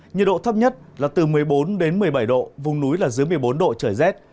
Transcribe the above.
nhiệt độ thấp nhất là từ một mươi bốn đến một mươi bảy độ vùng núi là dưới một mươi bốn độ trời rét